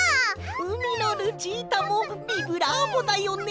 「うみのルチータもビブラーボだよね」。